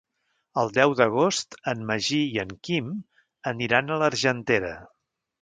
El deu d'agost en Magí i en Quim aniran a l'Argentera.